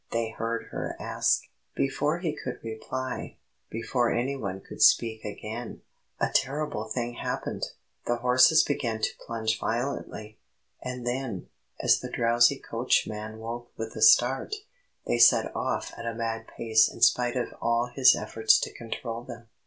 they heard her ask. Before he could reply, before any one could speak again, a terrible thing happened. The horses began to plunge violently, and then, as the drowsy coachman woke with a start, they set off at a mad pace in spite of all his efforts to control them.